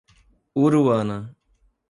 Uruana